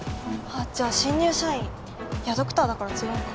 じゃあ新入社員いやドクターだから違うか。